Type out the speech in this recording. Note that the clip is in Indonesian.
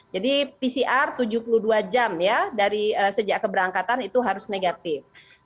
jadi pcr tujuh puluh dua jam ya dari sejak keberangkatan itu harus negatif